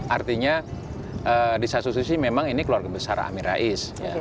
artinya di satu sisi memang ini keluarga besar amin rais